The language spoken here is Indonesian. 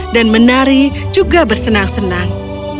dan menari juga bersenang senang